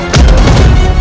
kau akan menang